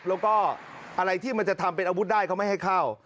แล้วก็อะไรที่มันจะทำเป็นอาวุธได้เขาไม่ให้เข้า